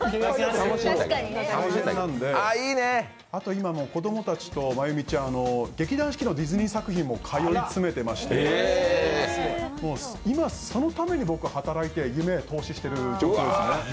今、子供たちと真由美ちゃん、劇団四季のディズニー作品にも通っていまして、今、そのために働いて夢へ投資してる感じですね。